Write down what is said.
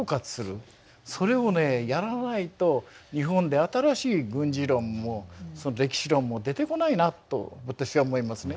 それをねやらないと日本で新しい軍事論も歴史論も出てこないなと私は思いますね。